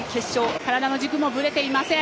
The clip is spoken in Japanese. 体の軸もぶれていません。